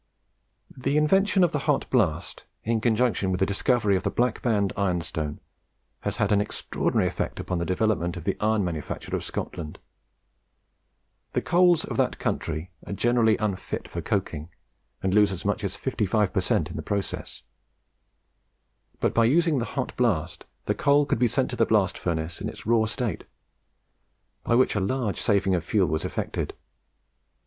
The invention of the hot blast, in conjunction with the discovery of the Black Band ironstone, has had an extra ordinary effect upon the development of the iron manufacture of Scotland. The coals of that country are generally unfit for coking, and lose as much as 55 per cent. in the process. But by using the hot blast, the coal could be sent to the blast furnace in its raw state, by which a large saving of fuel was effected.